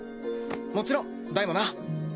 もちろんダイもな。